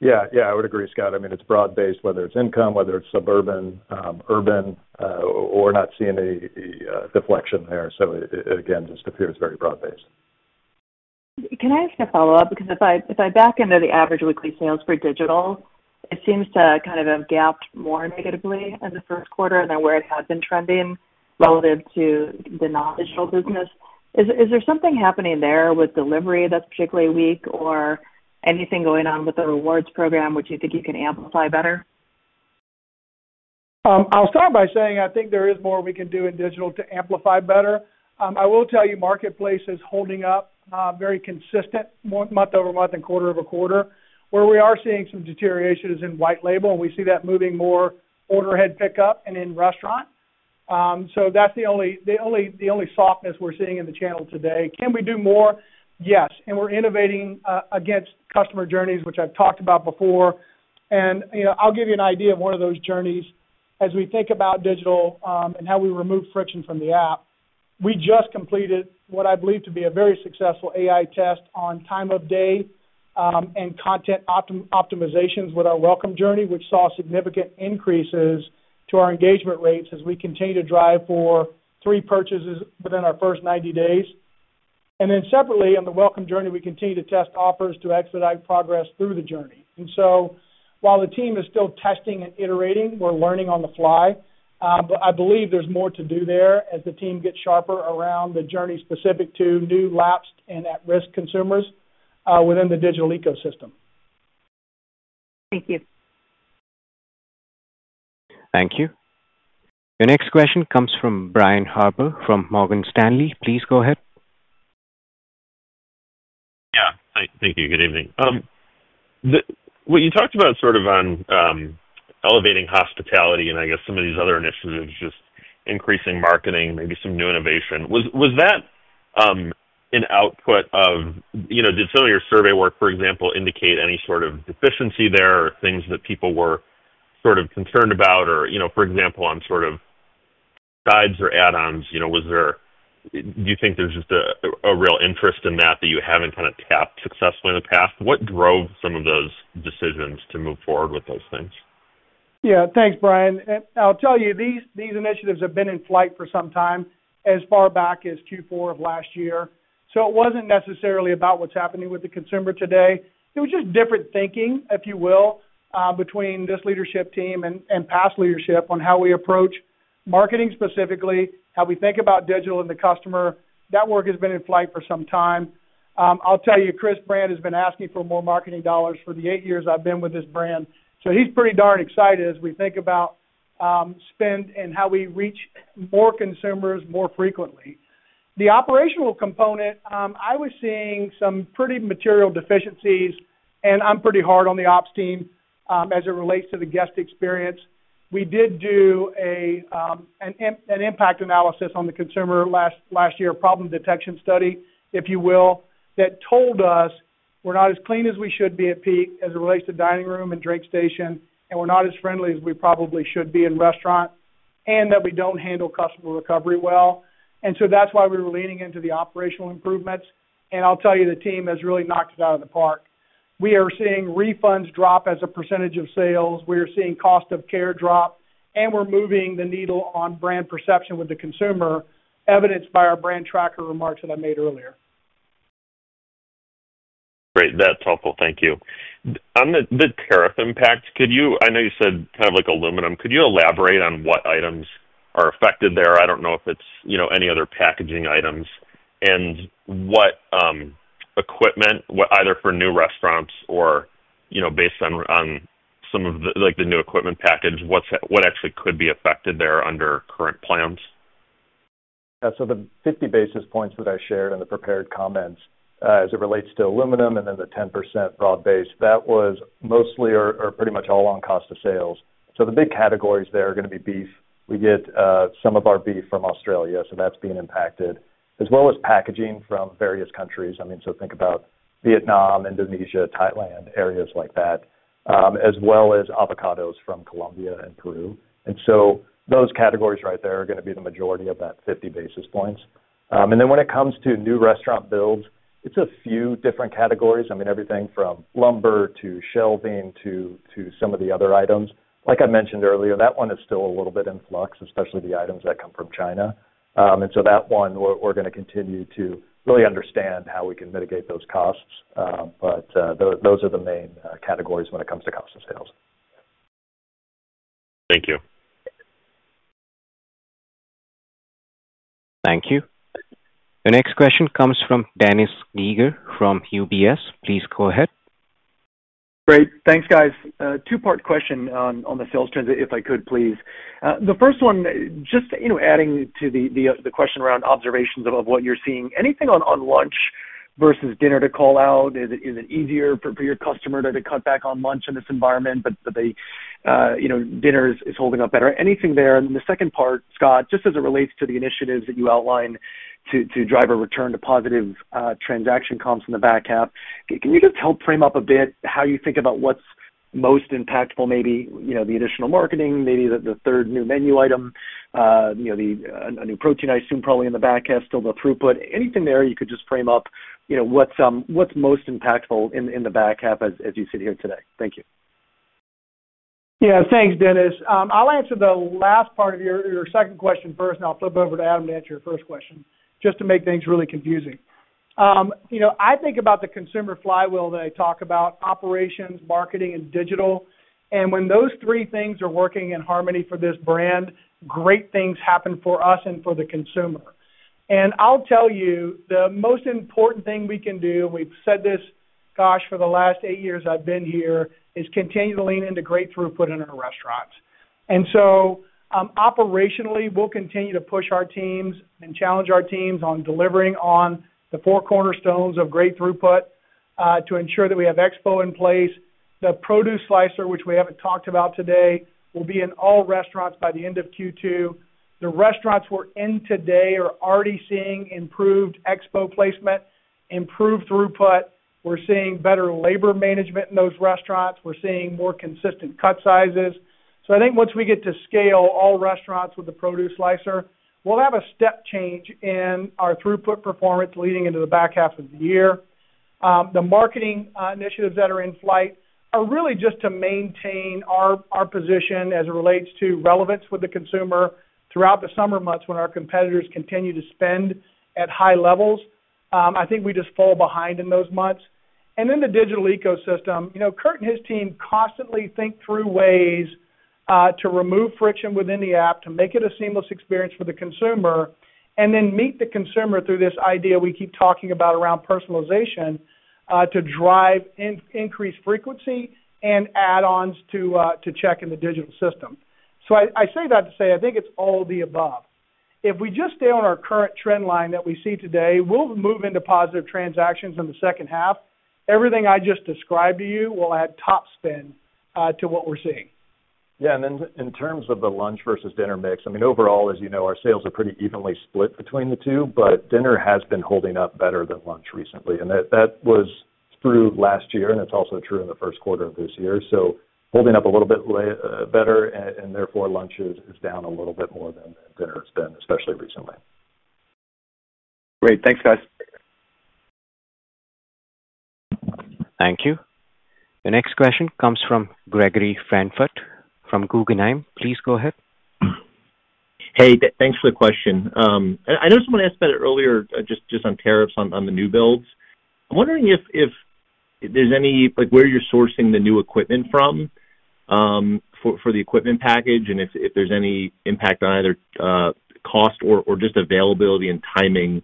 Yeah. Yeah. I would agree, Scott. I mean, it's broad-based, whether it's income, whether it's suburban, urban, or not seeing any deflection there. It just appears very broad-based. Can I ask a follow-up? Because if I back into the average weekly sales for digital, it seems to kind of have gapped more negatively in the first quarter than where it had been trending relative to the non-digital business. Is there something happening there with delivery that's particularly weak or anything going on with the rewards program, which you think you can amplify better? I'll start by saying I think there is more we can do in digital to amplify better. I will tell you marketplace is holding up very consistent month over month and quarter over quarter where we are seeing some deterioration in white label. We see that moving more order ahead pickup and in restaurant. That's the only softness we're seeing in the channel today. Can we do more? Yes. We're innovating against customer journeys, which I've talked about before. I'll give you an idea of one of those journeys as we think about digital and how we remove friction from the app. We just completed what I believe to be a very successful AI test on time of day and content optimizations with our welcome journey, which saw significant increases to our engagement rates as we continue to drive for three purchases within our first 90 days. Separately, on the welcome journey, we continue to test offers to expedite progress through the journey. While the team is still testing and iterating, we're learning on the fly. I believe there's more to do there as the team gets sharper around the journey specific to new, lapsed, and at-risk consumers within the digital ecosystem. Thank you. Thank you. Your next question comes from Brian Harbour from Morgan Stanley. Please go ahead. Yeah. Thank you. Good evening. What you talked about sort of on elevating hospitality and I guess some of these other initiatives, just increasing marketing, maybe some new innovation, was that an output of did some of your survey work, for example, indicate any sort of deficiency there or things that people were sort of concerned about? For example, on sort of guides or add-ons, do you think there's just a real interest in that that you haven't kind of tapped successfully in the past? What drove some of those decisions to move forward with those things? Yeah. Thanks, Brian. I'll tell you, these initiatives have been in flight for some time as far back as Q4 of last year. It was not necessarily about what's happening with the consumer today. It was just different thinking, if you will, between this leadership team and past leadership on how we approach marketing specifically, how we think about digital and the customer. That work has been in flight for some time. I'll tell you, Chris Brand has been asking for more marketing dollars for the eight years I've been with this brand. He is pretty darn excited as we think about spend and how we reach more consumers more frequently. The operational component, I was seeing some pretty material deficiencies, and I'm pretty hard on the ops team as it relates to the guest experience. We did do an impact analysis on the consumer last year, a problem detection study, if you will, that told us we're not as clean as we should be at peak as it relates to dining room and drink station, and we're not as friendly as we probably should be in restaurants, and that we don't handle customer recovery well. That is why we were leaning into the operational improvements. I'll tell you, the team has really knocked it out of the park. We are seeing refunds drop as a percentage of sales. We are seeing cost of care drop, and we're moving the needle on brand perception with the consumer, evidenced by our brand tracker remarks that I made earlier. Great. That's helpful. Thank you. On the tariff impact, I know you said kind of like aluminum. Could you elaborate on what items are affected there? I don't know if it's any other packaging items and what equipment, either for new restaurants or based on some of the new equipment package, what actually could be affected there under current plans? Yeah. The 50 basis points that I shared in the prepared comments as it relates to aluminum and then the 10% broad-based, that was mostly or pretty much all on cost of sales. The big categories there are going to be beef. We get some of our beef from Australia, so that's being impacted, as well as packaging from various countries. I mean, so think about Vietnam, Indonesia, Thailand, areas like that, as well as avocados from Colombia and Peru. Those categories right there are going to be the majority of that 50 basis points. When it comes to new restaurant builds, it's a few different categories. I mean, everything from lumber to shelving to some of the other items. Like I mentioned earlier, that one is still a little bit in flux, especially the items that come from China. That one, we're going to continue to really understand how we can mitigate those costs. Those are the main categories when it comes to cost of sales. Thank you. Thank you. The next question comes from Dennis Geiger from UBS. Please go ahead. Great. Thanks, guys. Two-part question on the sales transit, if I could, please. The first one, just adding to the question around observations of what you're seeing, anything on lunch versus dinner to call out? Is it easier for your customer to cut back on lunch in this environment, but the dinner is holding up better? Anything there? Then the second part, Scott, just as it relates to the initiatives that you outline to drive a return to positive transaction comps in the back half, can you just help frame up a bit how you think about what's most impactful, maybe the additional marketing, maybe the third new menu item, a new protein I assume probably in the back half, still the throughput? Anything there you could just frame up what's most impactful in the back half as you sit here today? Thank you. Yeah. Thanks, Dennis. I'll answer the last part of your second question first, and I'll flip over to Adam to answer your first question just to make things really confusing. I think about the consumer flywheel that I talk about, operations, marketing, and digital. When those three things are working in harmony for this brand, great things happen for us and for the consumer. I'll tell you, the most important thing we can do, and we've said this, gosh, for the last eight years I've been here, is continue to lean into great throughput in our restaurants. Operationally, we'll continue to push our teams and challenge our teams on delivering on the four cornerstones of great throughput to ensure that we have expo in place. The produce slicer, which we haven't talked about today, will be in all restaurants by the end of Q2. The restaurants we're in today are already seeing improved expo placement, improved throughput. We're seeing better labor management in those restaurants. We're seeing more consistent cut sizes. I think once we get to scale all restaurants with the produce slicer, we'll have a step change in our throughput performance leading into the back half of the year. The marketing initiatives that are in flight are really just to maintain our position as it relates to relevance with the consumer throughout the summer months when our competitors continue to spend at high levels. I think we just fall behind in those months. The digital ecosystem, Curt and his team constantly think through ways to remove friction within the app to make it a seamless experience for the consumer and then meet the consumer through this idea we keep talking about around personalization to drive increased frequency and add-ons to check in the digital system. I say that to say I think it's all the above. If we just stay on our current trend line that we see today, we'll move into positive transactions in the second half. Everything I just described to you will add top spend to what we're seeing. Yeah. In terms of the lunch versus dinner mix, I mean, overall, as you know, our sales are pretty evenly split between the two, but dinner has been holding up better than lunch recently. That was through last year, and it's also true in the first quarter of this year. Holding up a little bit better, and therefore lunch is down a little bit more than dinner has been, especially recently. Great. Thanks, guys. Thank you. The next question comes from Gregory Francfort from Guggenheim. Please go ahead. Hey, thanks for the question. I know someone asked about it earlier just on tariffs on the new builds. I'm wondering if there's anywhere you're sourcing the new equipment from for the equipment package and if there's any impact on either cost or just availability and timing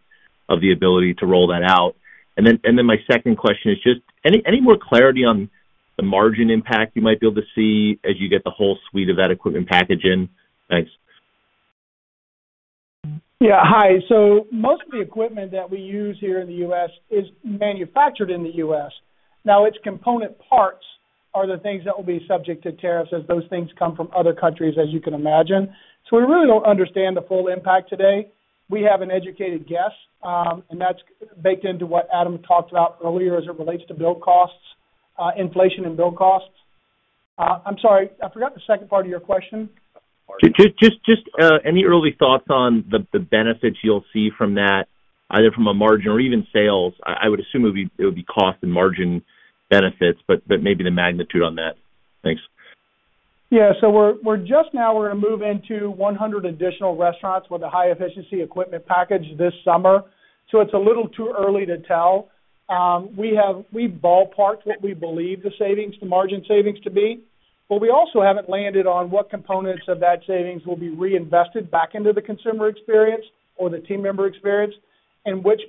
of the ability to roll that out. My second question is just any more clarity on the margin impact you might be able to see as you get the whole suite of that equipment package in? Thanks. Yeah. Hi. Most of the equipment that we use here in the U.S. is manufactured in the U.S. Now, its component parts are the things that will be subject to tariffs as those things come from other countries, as you can imagine. We really do not understand the full impact today. We have an educated guess, and that's baked into what Adam talked about earlier as it relates to build costs, inflation in build costs. I'm sorry. I forgot the second part of your question. Just any early thoughts on the benefits you'll see from that, either from a margin or even sales? I would assume it would be cost and margin benefits, but maybe the magnitude on that. Thanks. Yeah. Just now, we're going to move into 100 additional restaurants with a high-efficiency equipment package this summer. It's a little too early to tell. We ballparked what we believe the margin savings to be, but we also haven't landed on what components of that savings will be reinvested back into the consumer experience or the team member experience and which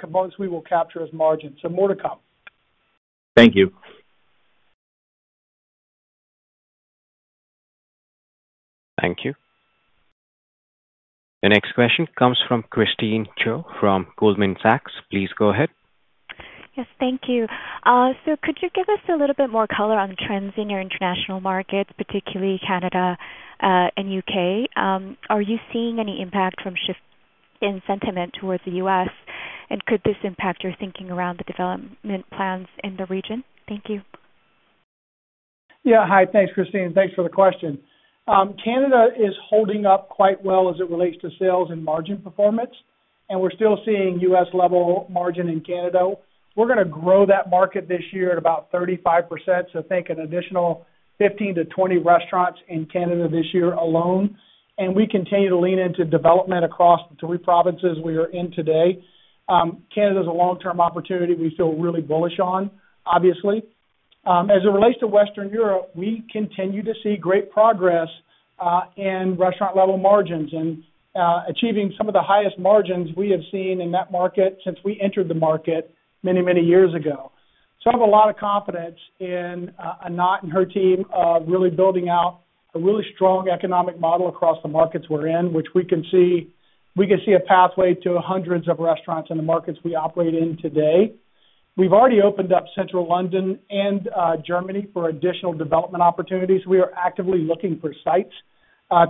components we will capture as margin. More to come. Thank you. Thank you. The next question comes from Christine Cho from Goldman Sachs. Please go ahead. Yes. Thank you. Could you give us a little bit more color on trends in your international markets, particularly Canada and U.K.? Are you seeing any impact from shifting sentiment towards the U.S.? Could this impact your thinking around the development plans in the region? Thank you. Yeah. Hi. Thanks, Christine. Thanks for the question. Canada is holding up quite well as it relates to sales and margin performance, and we're still seeing U.S.-level margin in Canada. We're going to grow that market this year at about 35%. Think an additional 15-20 restaurants in Canada this year alone. We continue to lean into development across the three provinces we are in today. Canada is a long-term opportunity we feel really bullish on, obviously. As it relates to Western Europe, we continue to see great progress in restaurant-level margins and achieving some of the highest margins we have seen in that market since we entered the market many, many years ago. I have a lot of confidence in Annot and her team really building out a really strong economic model across the markets we're in, which we can see a pathway to hundreds of restaurants in the markets we operate in today. We've already opened up Central London and Germany for additional development opportunities. We are actively looking for sites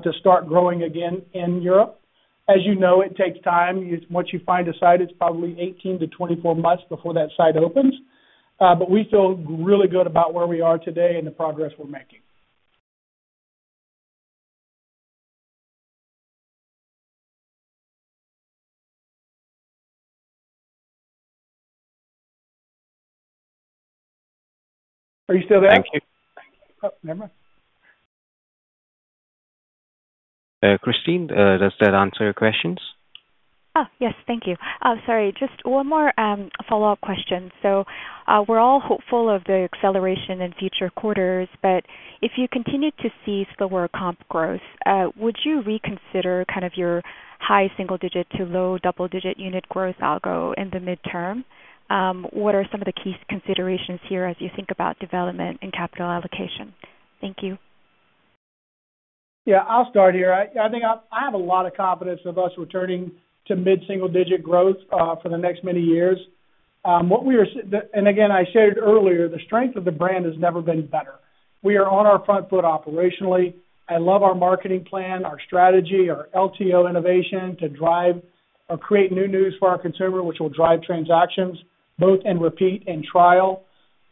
to start growing again in Europe. As you know, it takes time. Once you find a site, it's probably 18-24 months before that site opens. We feel really good about where we are today and the progress we're making. Are you still there? Thank you. Oh, never mind. Christine, does that answer your questions? Yes. Thank you. Sorry. Just one more follow-up question. We are all hopeful of the acceleration in future quarters, but if you continue to see slower comp growth, would you reconsider kind of your high single-digit to low double-digit unit growth algo in the midterm? What are some of the key considerations here as you think about development and capital allocation? Thank you. Yeah. I'll start here. I think I have a lot of confidence with us returning to mid-single-digit growth for the next many years. Again, I shared earlier, the strength of the brand has never been better. We are on our front foot operationally. I love our marketing plan, our strategy, our LTO innovation to drive or create new news for our consumer, which will drive transactions both in repeat and trial.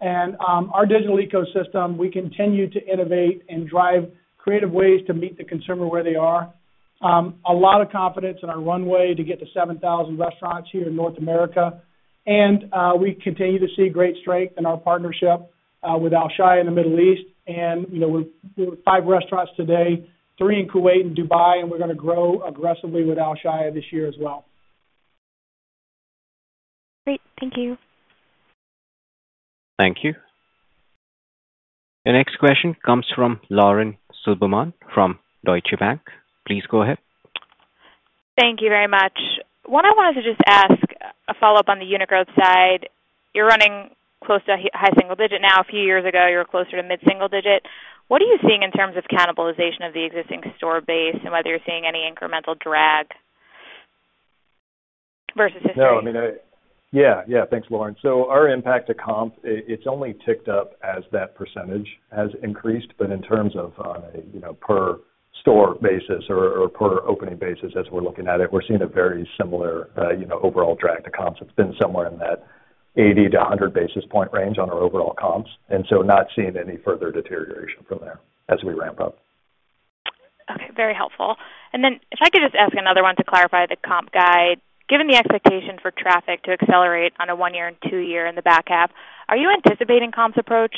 Our digital ecosystem, we continue to innovate and drive creative ways to meet the consumer where they are. A lot of confidence in our runway to get to 7,000 restaurants here in North America. We continue to see great strength in our partnership with Alshaya Group in the Middle East. We are five restaurants today, three in Kuwait and Dubai, and we are going to grow aggressively with Alshaya Group this year as well. Great. Thank you. Thank you. The next question comes from Lauren Silberman from Deutsche Bank. Please go ahead. Thank you very much. What I wanted to just ask a follow-up on the unit growth side. You are running close to high single-digit now. A few years ago, you were closer to mid-single-digit. What are you seeing in terms of cannibalization of the existing store base and whether you are seeing any incremental drag versus history? No. I mean, yeah. Yeah. Thanks, Lauren. Our impact to comp, it's only ticked up as that percentage has increased, but in terms of on a per-store basis or per-opening basis, as we're looking at it, we're seeing a very similar overall drag to comps. It's been somewhere in that 80-100 basis point range on our overall comps. Not seeing any further deterioration from there as we ramp up. Okay. Very helpful. If I could just ask another one to clarify the comp guide. Given the expectation for traffic to accelerate on a one-year and two-year in the back half, are you anticipating comps approach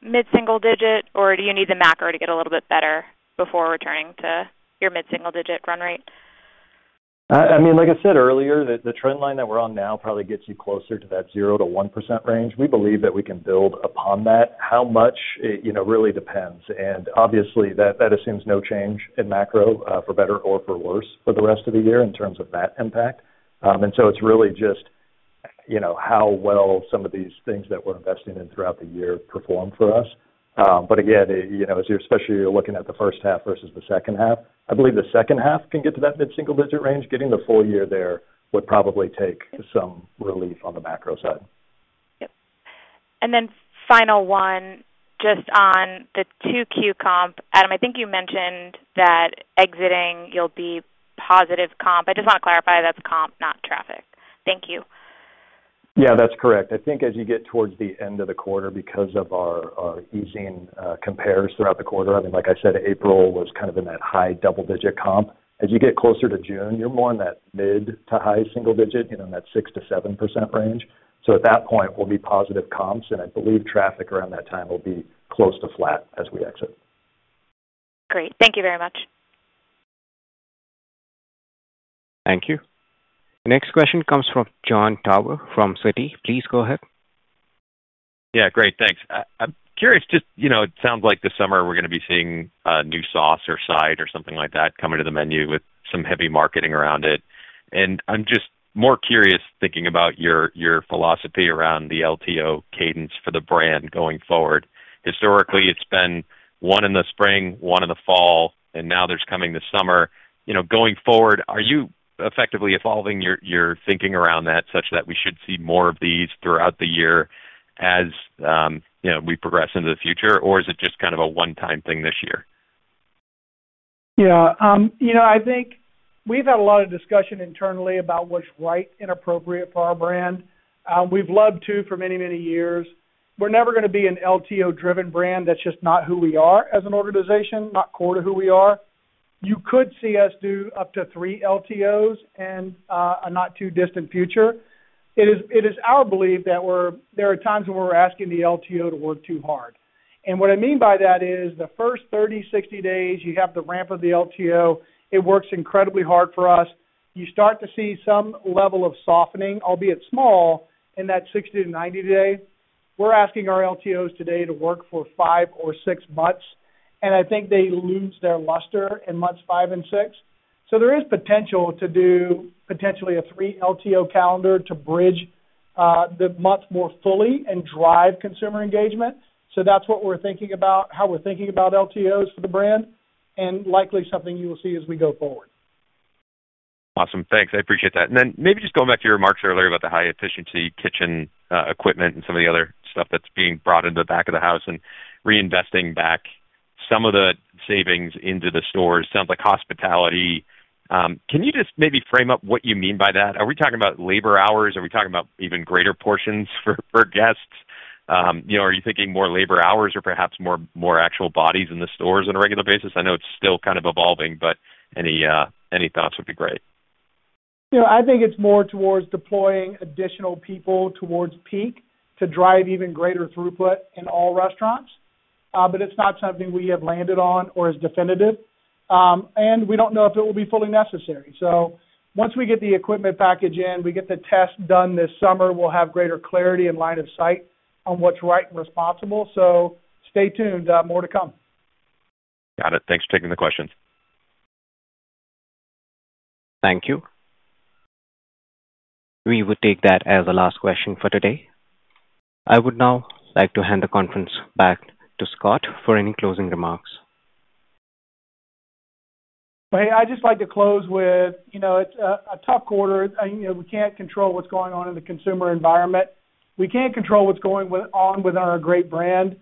mid-single-digit, or do you need the macro to get a little bit better before returning to your mid-single-digit run rate? I mean, like I said earlier, the trend line that we're on now probably gets you closer to that 0-1% range. We believe that we can build upon that. How much really depends. Obviously, that assumes no change in macro for better or for worse for the rest of the year in terms of that impact. It is really just how well some of these things that we're investing in throughout the year perform for us. Again, especially if you're looking at the first half versus the second half, I believe the second half can get to that mid-single-digit range. Getting the full year there would probably take some relief on the macro side. Yep. Final one, just on the 2Q comp, Adam, I think you mentioned that exiting, you'll be positive comp. I just want to clarify that's comp, not traffic. Thank you. Yeah. That's correct. I think as you get towards the end of the quarter, because of our easing compares throughout the quarter, I mean, like I said, April was kind of in that high double-digit comp. As you get closer to June, you're more in that mid to high single-digit, in that 6-7% range. At that point, we'll be positive comps, and I believe traffic around that time will be close to flat as we exit. Great. Thank you very much. Thank you. The next question comes from John Tower from Citi. Please go ahead. Yeah. Great. Thanks. I'm curious. It sounds like this summer we're going to be seeing new sauce or side or something like that coming to the menu with some heavy marketing around it. I'm just more curious thinking about your philosophy around the LTO cadence for the brand going forward. Historically, it's been one in the spring, one in the fall, and now there's coming the summer. Going forward, are you effectively evolving your thinking around that such that we should see more of these throughout the year as we progress into the future, or is it just kind of a one-time thing this year? Yeah. I think we've had a lot of discussion internally about what's right and appropriate for our brand. We've loved two for many, many years. We're never going to be an LTO-driven brand. That's just not who we are as an organization, not core to who we are. You could see us do up to three LTOs in a not-too-distant future. It is our belief that there are times when we're asking the LTO to work too hard. What I mean by that is the first 30-60 days, you have the ramp of the LTO. It works incredibly hard for us. You start to see some level of softening, albeit small, in that 60-90 day. We're asking our LTOs today to work for five or six months, and I think they lose their luster in months five and six. There is potential to do potentially a three-LTO calendar to bridge the month more fully and drive consumer engagement. That is what we're thinking about, how we're thinking about LTOs for the brand, and likely something you will see as we go forward. Awesome. Thanks. I appreciate that. Maybe just going back to your remarks earlier about the high-efficiency kitchen equipment and some of the other stuff that's being brought into the back of the house and reinvesting back some of the savings into the stores. Sounds like hospitality. Can you just maybe frame up what you mean by that? Are we talking about labor hours? Are we talking about even greater portions for guests? Are you thinking more labor hours or perhaps more actual bodies in the stores on a regular basis? I know it's still kind of evolving, but any thoughts would be great. I think it's more towards deploying additional people towards peak to drive even greater throughput in all restaurants. It is not something we have landed on or is definitive. We do not know if it will be fully necessary. Once we get the equipment package in, we get the test done this summer, we'll have greater clarity and line of sight on what's right and responsible. Stay tuned. More to come. Got it. Thanks for taking the questions. Thank you. We will take that as a last question for today. I would now like to hand the conference back to Scott for any closing remarks. I'd just like to close with a tough quarter. We can't control what's going on in the consumer environment. We can't control what's going on with our great brand.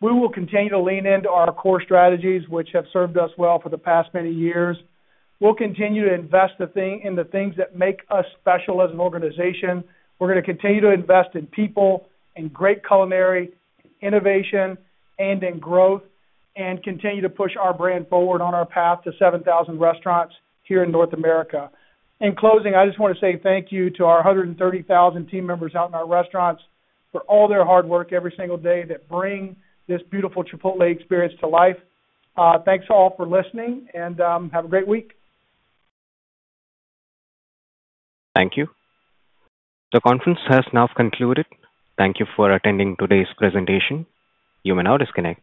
We will continue to lean into our core strategies, which have served us well for the past many years. We'll continue to invest in the things that make us special as an organization. We're going to continue to invest in people, in great culinary, innovation, and in growth, and continue to push our brand forward on our path to 7,000 restaurants here in North America. In closing, I just want to say thank you to our 130,000 team members out in our restaurants for all their hard work every single day that bring this beautiful Chipotle experience to life. Thanks to all for listening, and have a great week. Thank you. The conference has now concluded. Thank you for attending today's presentation. You may now disconnect.